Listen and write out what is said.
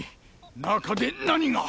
中で何が！